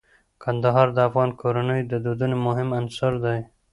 کندهار د افغان کورنیو د دودونو مهم عنصر دی.